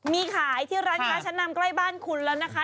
มีขายที่ร้านค้าชั้นนำใกล้บ้านคุณแล้วนะคะ